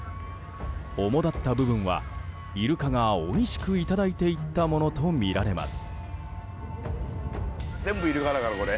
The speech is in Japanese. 主だった部分は、イルカがおいしくいただいていったものとみられます。